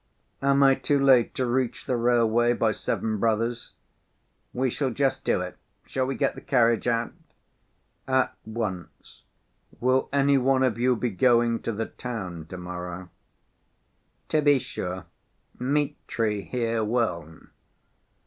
Am I too late to reach the railway by seven, brothers?" "We shall just do it. Shall we get the carriage out?" "At once. Will any one of you be going to the town to‐morrow?" "To be sure. Mitri here will."